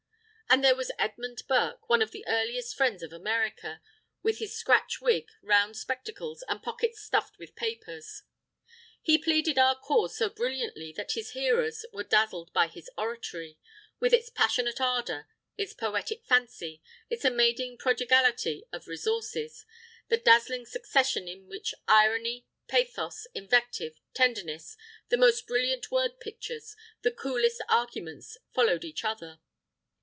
And there was Edmund Burke, "one of the earliest friends of America," with his scratch wig, round spectacles, and pockets stuffed with papers. He pleaded our cause so brilliantly that his hearers were dazzled by his oratory "with its passionate ardour, its poetic fancy, its amazing prodigality of resources, the dazzling succession in which irony, pathos, invective, tenderness, the most brilliant word pictures, the coolest arguments, followed each other."